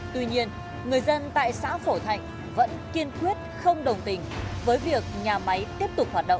tuy nhiên người dân tại xã phổ thạnh vẫn kiên quyết không đồng tình với việc nhà máy tiếp tục hoạt động